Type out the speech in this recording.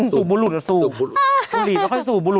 สูบบุหรุ่นหรือสูบ